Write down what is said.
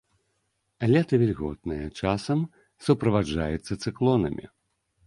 Лета вільготнае, часам суправаджаецца цыклонамі.